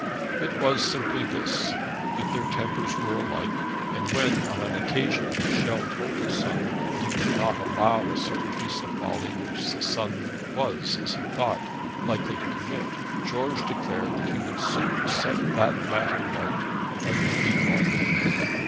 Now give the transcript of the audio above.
It was simply this, that their tempers were alike; and when on an occasion Michel told his son that he would not allow a certain piece of folly which the son was, as he thought, likely to commit, George declared that he would soon set that matter right by leaving Granpere.